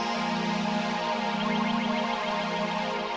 ah ya nggak mungkin tau